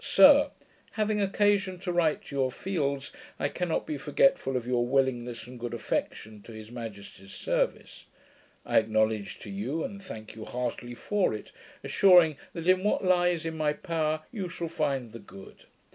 SIR, Having occasion to write to your fields, I cannot be forgetful of your willingness and good affection to his Majesty's service. I acknowledge to you, and thank you heartily for it assuring, that in what lies in my power, you shall find the good.